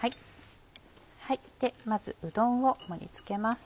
まずうどんを盛り付けます。